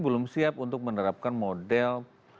belum siap untuk menerapkan model